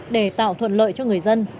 để tạo thuận lợi cho người dân